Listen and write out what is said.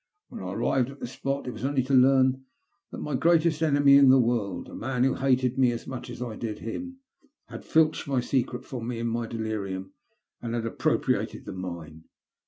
^Vhen I arrived at the spot it was only to learn that my greatest enemy in the world, a man who hated me as much as I did him, had filched my secret from me in my delirium, and had appropriated the mine.